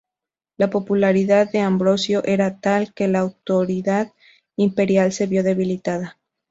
La popularidad de Ambrosio era tal, que la autoridad imperial se vio debilitada.